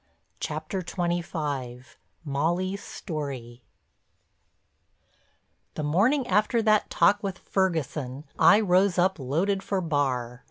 CHAPTER XXV—MOLLY'S STORY The morning after that talk with Ferguson I rose up "loaded for bar."